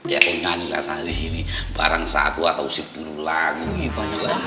ya aku nyanyi lah sana disini barang satu atau sepuluh lagu gitu